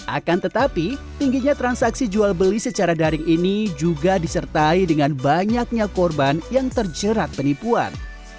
akan tetapi tingginya transaksi jual beli secara daring ini juga disertai dengan banyaknya korban yang terjerat penipuan